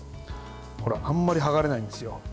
あんまりはがれないんですよ。